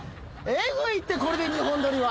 えぐいってこれで２本撮りは。